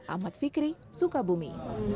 ahmad fikri sukabumi